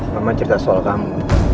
mama cerita soal kamu